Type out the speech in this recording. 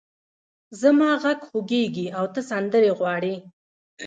زما غږ خوږېږې او ته سندرې غواړې!